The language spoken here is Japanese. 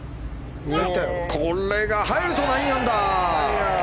これが入ると９アンダー！